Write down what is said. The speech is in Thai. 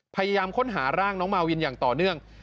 พยายามค้นหาร่างน้องมาวินอย่างต่อเนื่อง